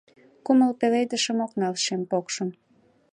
Кумыл пеледышым ок нал шем покшым.